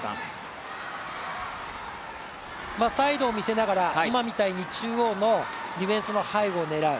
サイドを見せながら、今みたいに中央のディフェンスの背後を狙う。